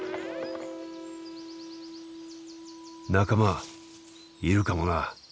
仲間いるかもな。